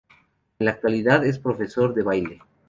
En la actualidad, es profesor de baile.